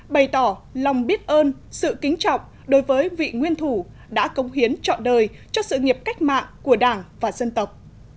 bày tỏ lòng biết ơn sự kính trọng đối với vị nguyên thủ đã công hiến trọn đời cho sự nghiệp cách mạng của đảng và dân tộc